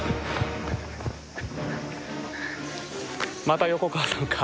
また横川さんか。